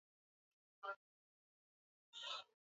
Ugonjwa wa kimeta unahusishwa na utupwaji ovyo wa mizoga